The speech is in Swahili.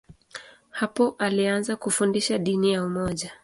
Hapo alianza kufundisha dini ya umoja.